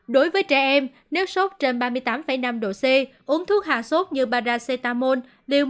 đối với trẻ em nếu sốc trên ba mươi tám năm độ c uống thuốc hạ sốt như paracetamol